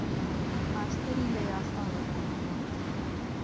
ماستەری لە یاسا وەرگرتووە.